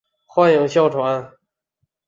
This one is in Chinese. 患有哮喘。